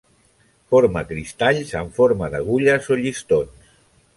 Forma cristalls en forma d'agulles o llistons.